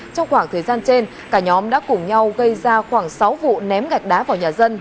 trong khoảng thời gian trên cả nhóm đã cùng nhau gây ra khoảng sáu vụ ném gạch đá vào nhà dân